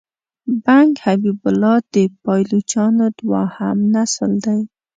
بنګ حبیب الله د پایلوچانو دوهم نسل دی.